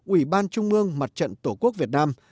ủy ban trung ương mặt trận tổ quốc việt nam